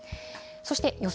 そして予想